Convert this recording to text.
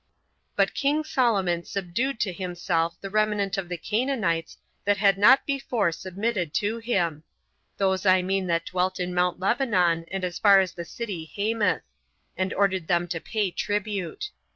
3. But king Solomon subdued to himself the remnant of the Canaanites that had not before submitted to him; those I mean that dwelt in Mount Lebanon, and as far as the city Hamath; and ordered them to pay tribute.